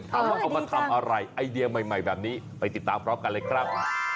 เอามาทำอะไรไอเดียใหม่แบบนี้ไปติดตามพร้อมกันเลยครับ